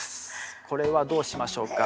これはどうしましょうか。